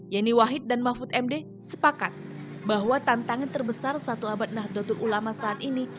yeni wahid dan mahfud md sepakat bahwa tantangan terbesar satu abad nahdlatul ulama saat ini